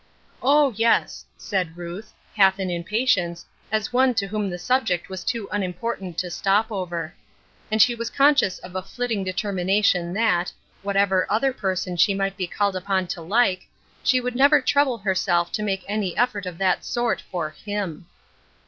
" Oh, yes," said Ruth, half in impatience, as one to whom the subject was too unimportant to stop over. And she was conscious of a flitting determination that, whatever other person she might be called upon to like, she would never trouble herself to make any effort of that sort for him.